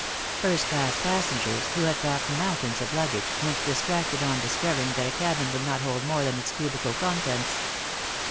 First class passengers, who had brought mountains of luggage, went distracted on discovering that a cabin would not hold more than its cubical contents.